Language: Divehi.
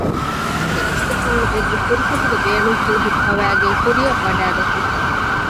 މިސުރުގެ ރަސްގެފާނު ދެއްވި ފުރުސަތުގެ ބޭނުންފުޅު ހިއްޕަވައިގެން ކުރިއަށް ވަޑައިގަތީ